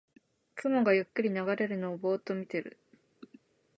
雲がゆっくり流れるのをぼーっと見てる